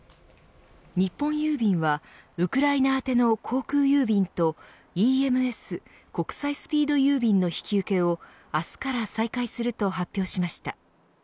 日本郵便はウクライナ宛ての航空郵便とＥＭＳ国際スピード郵便の引き受けを明日から再開すると発表しました。